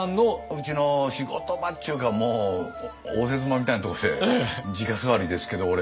うちの仕事場っちゅうか応接間みたいなとこでじか座りですけど俺は。